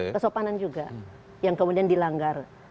kesopanan juga yang kemudian dilanggar